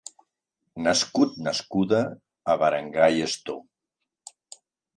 Nascut/a a Barangay Sto.